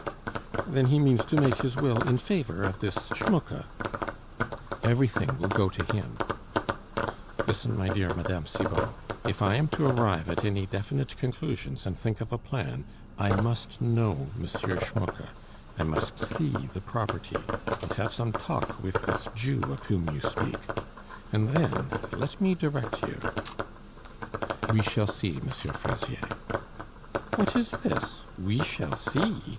"Then he means to make his will in favor of this Schmucke?" "Everything will go to him " "Listen, my dear Mme. Cibot, if I am to arrive at any definite conclusions and think of a plan, I must know M. Schmucke. I must see the property and have some talk with this Jew of whom you speak; and then, let me direct you " "We shall see, M. Fraisier." "What is this? 'We shall see?